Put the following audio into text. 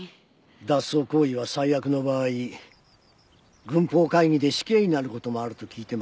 脱走行為は最悪の場合軍法会議で死刑になる事もあると聞いてました。